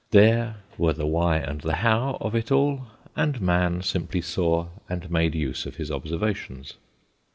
There were the why and the how of it all, and man simply saw and made use of his observations.